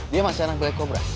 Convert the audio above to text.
dia masih anak black cobra